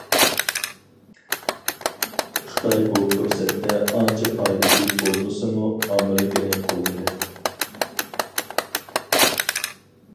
خىتاي بۇ پۇرسەتتە ئانچە پايدىسى بولمىسىمۇ ئامېرىكىنى قوللىدى .